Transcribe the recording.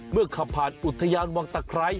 ขับผ่านอุทยานวังตะไคร้